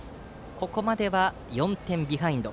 ここまでは、４点ビハインド。